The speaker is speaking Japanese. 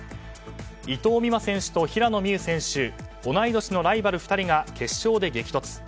伊藤美誠選手と平野美宇選手同い年のライバル２人が決勝で激突。